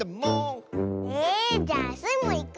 えじゃあスイもいく。